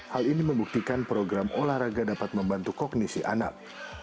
hal ini membuktikan program olahraga dapat membantu kognisi anak